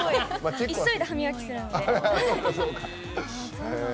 急いで歯磨きするんで。